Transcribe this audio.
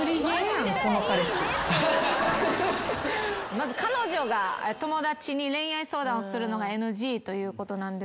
まず彼女が友達に恋愛相談をするのがＮＧということなんですが。